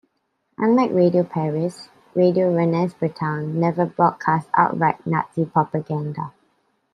Unlike Radio Paris, Radio Rennes Bretagne never broadcast outright Nazi propaganda.